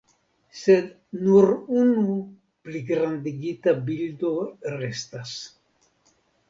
Sed nur unu pligrandigita bildo restas.